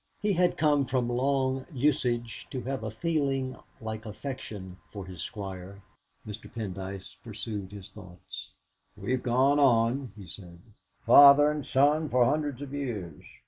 He had come from long usage to have a feeling like affection for his Squire. Mr. Pendyce pursued his thoughts. "We've gone on," he said, "father and son for hundreds of years.